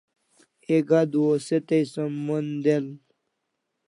Ek adua o se tai som mon del